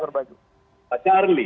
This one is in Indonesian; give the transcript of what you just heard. apa namanya itu pak charlie